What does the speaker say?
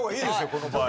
この場合。